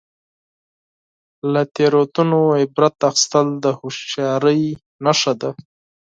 • له تیروتنو عبرت اخیستل د هوښیارۍ نښه ده.